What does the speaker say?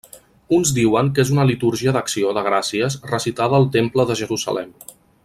Uns diuen que és una litúrgia d'acció de gràcies recitada al Temple de Jerusalem.